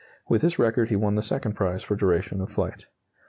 (With this record he won the second prize for duration of flight.)